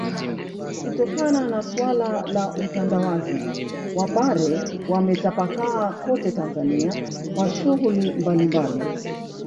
kutokana na suala la utandawazi Wapare wametapakaa kote Tanzania kwa shughuli mbalimbali